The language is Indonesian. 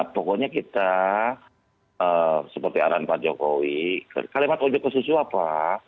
pokoknya kita seperti arahan pak jokowi kalimat ojek pesiswa pak